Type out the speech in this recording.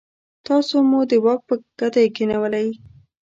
تاسو مو د واک په ګدۍ کېنولئ.